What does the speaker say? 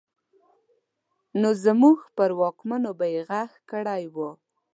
نو زموږ پر واکمنو به يې غږ کړی وای.